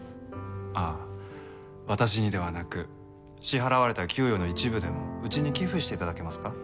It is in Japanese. あっ私にではなく支払われた給与の一部でもうちに寄付して頂けますか？